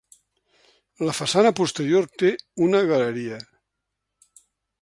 La façana posterior té una galeria.